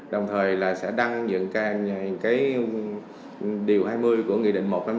đồng thời sẽ đăng những điều hai mươi của nghị định một trăm năm mươi năm